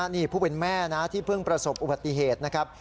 นี่ผู้เป็นแม่นะที่เพิ่งประสบอุบัติเหตุนะครับ